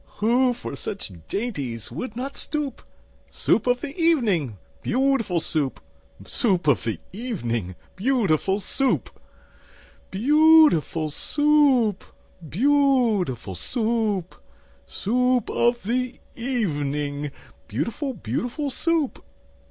Who for such dainties would not stoop? Soup of the evening, beautiful Soup! Soup of the evening, beautiful Soup! Beau ootiful Soo oop! Beau ootiful Soo oop! Soo oop of the e e evening, Beautiful, beautiful Soup!